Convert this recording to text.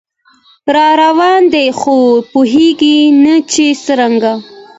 راروان دی خو پوهیږي نه چې څنګه